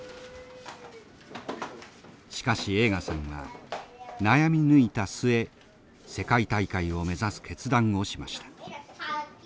しかし栄花さんは悩み抜いた末世界大会を目指す決断をしました。